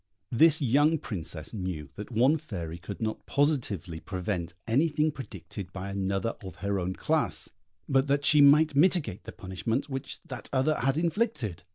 This young Princess knew that one fairy could not positively prevent anything predicted by another of her own class, but that she might mitigate the punishment which that other had inflicted.